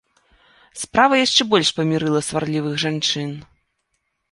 Справа яшчэ больш памірыла сварлівых жанчын.